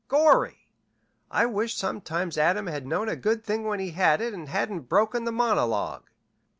Gorry! I wish sometimes Adam had known a good thing when he had it and hadn't broken the monologue."